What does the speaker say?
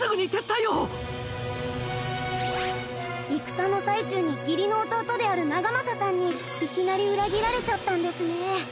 戦の最中に義理の弟である長政さんにいきなり裏切られちゃったんですね。